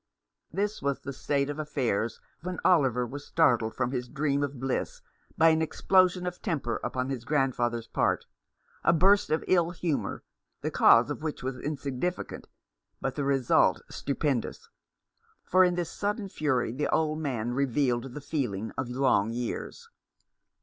This was the state of affairs when Oliver was startled from his dream of bliss by an explosion of temper upon his grandfather's part, a burst of ill humour, the cause of which was insignificant, but the result stupendous ; for in this sudden fury the old man revealed the feeling of long years.